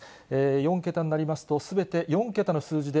４桁になりますと、すべて４桁の数字で。